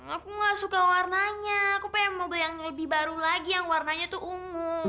aku gak suka warnanya aku pengen mau beli yang lebih baru lagi yang warnanya tuh ungu